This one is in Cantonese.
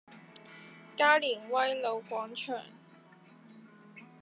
加連威老廣場